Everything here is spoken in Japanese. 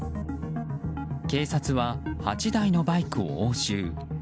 警察は８台のバイクを押収。